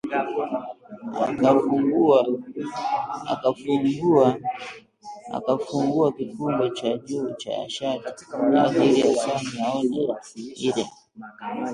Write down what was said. Akafungua kifungo cha juu cha shati yake ili Hassan aone ile